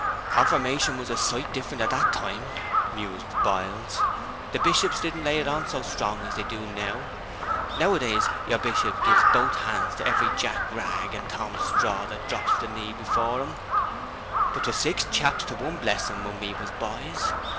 'Confirmation was a sight different at that time,' mused Biles. 'The Bishops didn't lay it on so strong then as they do now. Now a days, yer Bishop gies both hands to every Jack rag and Tom straw that drops the knee afore him; but 'twas six chaps to one blessing when we was boys.